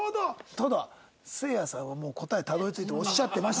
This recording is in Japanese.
ただせいやさんはもう答えたどり着いてるとおっしゃってました。